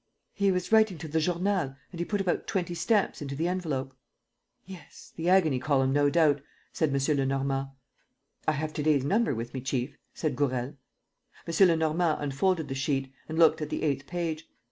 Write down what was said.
"He was writing to the Journal and he put about twenty stamps into the envelope." "Yes ... the agony column, no doubt," said M. Lenormand. "I have to day's number with me, chief," said Gourel. M. Lenormand unfolded the sheet and looked at the eighth page.